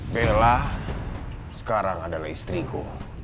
bella sekarang adalah istriku